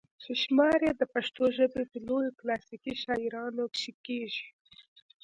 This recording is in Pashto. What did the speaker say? چې شمار ئې د پښتو ژبې پۀ لويو کلاسيکي شاعرانو کښې کيږي